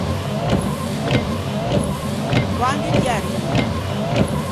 Quande ti arrivi?